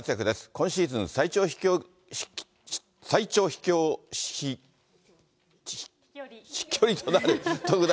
今シーズン最長飛距離となる特大